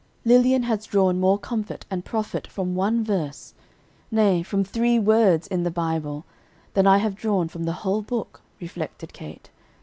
"Lilian has drawn more comfort and profit from one verse nay, from three words in the Bible, than I have drawn from the whole book," reflected Kate.